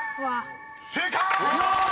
［正解！］